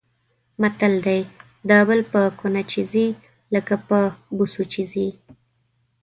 متل دی: د بل په کونه چې ځي لکه په بوسو چې ځي.